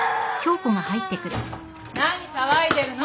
何騒いでるの？